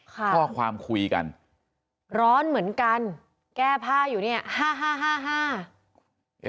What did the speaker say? ข้อความคุยกันร้อนเหมือนกันแก้ผ้าอยู่เนี่ยฮ่า